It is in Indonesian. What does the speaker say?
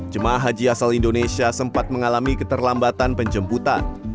jemaah haji asal indonesia sempat mengalami keterlambatan penjemputan